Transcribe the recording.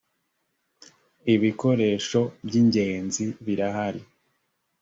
ibikoresho byigenzi birahari.